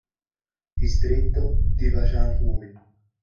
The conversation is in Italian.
Distretto di Bajan-Uul